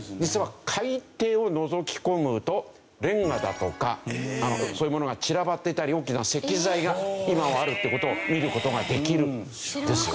海底をのぞき込むとレンガだとかそういうものが散らばってたり大きな石材が今もあるっていう事を見る事ができるんですよ。